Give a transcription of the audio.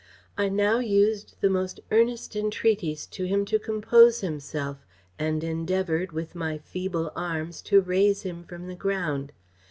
I now used the most earnest entreaties to him to compose himself; and endeavoured, with my feeble arms, to raise him from the ground.